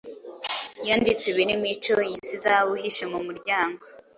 yanditse ibirimo ico yise ‘Izahabu ihishe mu muryango’